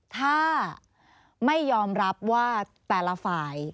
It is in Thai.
ถ้าไม่ยอมรับว่าแต่ละฝ่าย